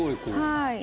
はい。